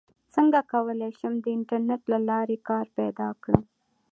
څنګه کولی شم د انټرنیټ له لارې کار پیدا کړم